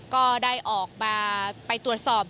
ก็ได้ออกมาไปตรวจสอบ